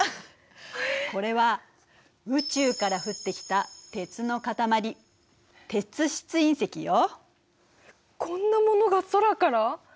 これは宇宙から降ってきた鉄の塊こんなものが空から。